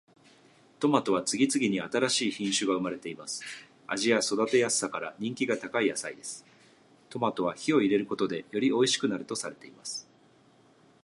トマトは次々に新しい品種が生まれています。味や育てやすさから人気が高い野菜です。トマトは火を入れることでよりおいしくなるとされています。